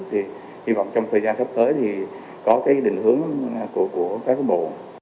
thì hy vọng trong thời gian sắp tới thì có cái định hướng của các cái bộ